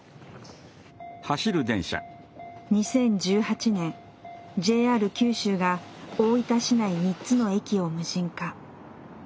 ２０１８年ＪＲ九州が大分市内３つの駅を無人化。